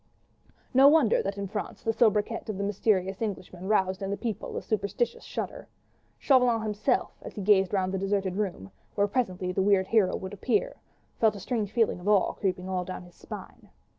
No wonder that in France the sobriquet of the mysterious Englishman roused in the people a superstitious shudder. Chauvelin himself as he gazed round the deserted room, where presently the weird hero would appear, felt a strange feeling of awe creeping all down his spine.